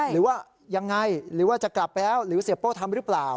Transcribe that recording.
หรือว่ายังไงหรือว่าจะกลับไปแล้วหรือเสียโป้ทำหรือเปล่า